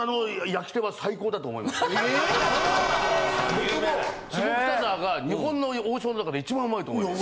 僕も下北沢が日本の王将の中で一番うまいと思います。